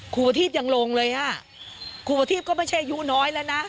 ครูปฏีฟยังลงเลยฮะครูปฏีฟก็ไม่ใช่ยูน้อยแล้วนะ